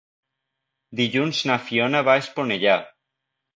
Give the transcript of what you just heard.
Dilluns na Fiona va a Esponellà.